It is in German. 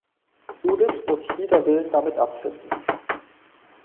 Judith muss sich wider Willen damit abfinden.